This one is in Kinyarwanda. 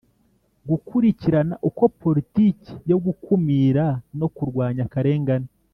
gukurikirana uko politiki yo gukumira no kurwanya akarengane,